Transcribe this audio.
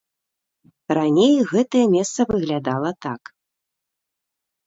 Раней гэтае месца выглядала так.